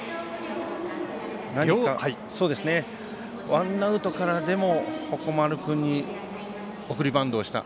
ワンアウトからでも鉾丸君に送りバントをした。